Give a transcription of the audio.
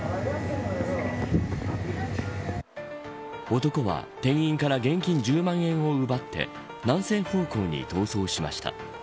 男は店員から現金１０万円を奪って南西方向に逃走しました。